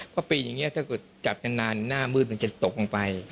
เพราะปีอย่างนี้ถ้าเกิดจับนานหน้ามืดมันจะตกลงไป